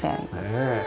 ねえ。